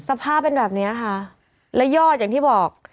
สภาพเป็นแบบนี้ค่ะและยอดอย่างที่บอก